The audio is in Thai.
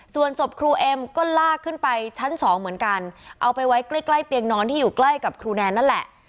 ส่วนศพครูเอ็มก็ลากขึ้นไปชั้นสองเหมือนกันเอาไปไว้ใกล้ใกล้เตียงนอนที่อยู่ใกล้กับครูแนนนั่นแหละ